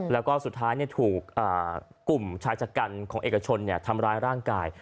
แล้วก็สุดท้ายเนี่ยถูกกลุ่มชายจัดการของเอกชนเนี่ยทำร้ายร่างกาย